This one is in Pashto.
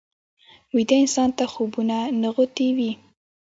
ویده انسان ته خوبونه نغوتې وي